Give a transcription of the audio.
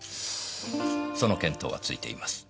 その見当はついています。